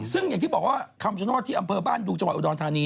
ซึ่งอย่างที่บอกว่าคำชโนธที่อำเภอบ้านดุงจังหวัดอุดรธานี